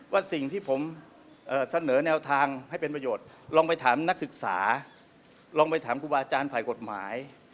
ว่าสิ่งที่ผมเสนอแนวทางให้เป็นประโยชน์ลองไปถามนักศึกษาลองไปถามครูบาอาจารย์ฝ่ายกฎหมาย